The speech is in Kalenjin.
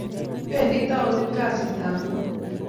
Pendi townit kasit ab loo